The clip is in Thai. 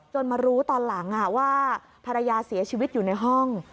มารู้ตอนหลังว่าภรรยาเสียชีวิตอยู่ในห้อง